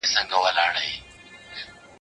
په يوه گړي كي جوړه هنگامه سوه